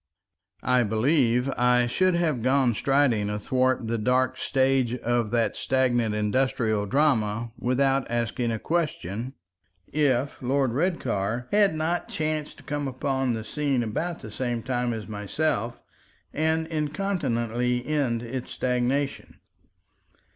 I believe I should have gone striding athwart the dark stage of that stagnant industrial drama without asking a question, if Lord Redcar had not chanced to come upon the scene about the same time as myself and incontinently end its stagnation.